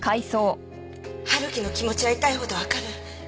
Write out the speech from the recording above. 春樹の気持ちは痛いほどわかる。